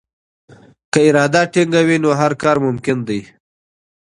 که اراده ټینګه وي نو هر کار ممکن دی.